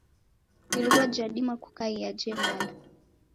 Iruwa jadima kukaia jeng'ala.